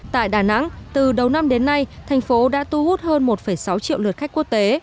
tại đà nẵng từ đầu năm đến nay thành phố đã thu hút hơn một sáu triệu lượt khách quốc tế